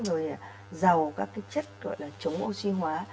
rồi giàu các chất chống oxy hóa